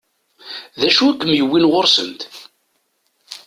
D acu i kem-yewwin ɣur-sent?